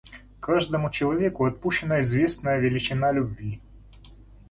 Каждому человеку отпущена известная величина любви.